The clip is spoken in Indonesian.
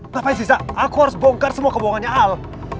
ngapain sih sa aku harus bongkar semua kebohongannya al